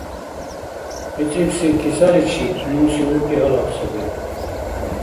БицӀибси кисаличиб, умуси уркӀи гьалаб саби.